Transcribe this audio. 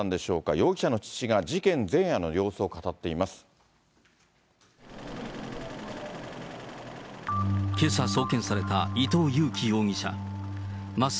容疑者の父が、事件前夜の様子を語っています。